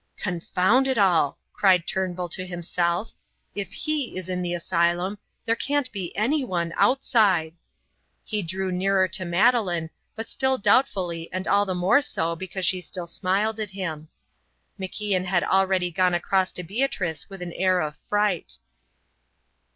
"Confound it all!" cried Turnbull to himself, "if he is in the asylum, there can't be anyone outside." He drew nearer to Madeleine, but still doubtfully and all the more so because she still smiled at him. MacIan had already gone across to Beatrice with an air of fright.